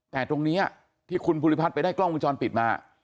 แต่ตรงนี้ที่คุณภูริพัฒน์ไปได้กล้องวงจรปิดมา